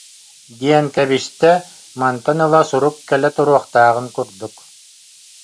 диэн кэбистэ, мантан ыла сурук кэлэ туруохтааҕын курдук